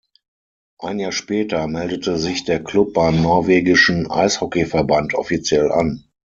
Ein Jahr später meldete sich der Club beim norwegischen Eishockeyverband offiziell an.